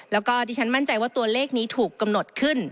แล้วก็ดิฉันมั่นใจว่าตัวเลขนี้ถูกกำหนดขึ้น